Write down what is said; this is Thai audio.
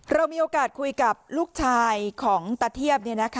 เรามีโอกาสคุยกับลูกชายของตาเทียบ